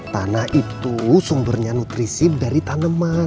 tanah itu sumbernya nutrisi dari tanaman